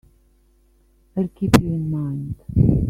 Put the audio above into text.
I'll keep you in mind.